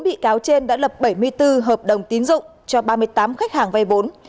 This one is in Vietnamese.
sáu bị cáo trên đã lập bảy mươi bốn hợp đồng tín dụng cho ba mươi tám khách hàng vay vốn